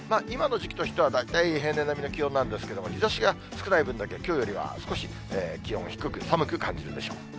今の時期としては、大体平年並みの気温なんですけれども、日ざしが少ない分だけ、きょうよりは少し気温も低く、寒く感じるでしょう。